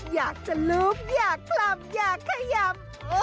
อยากจะลุกอยากกลับอยากขยำ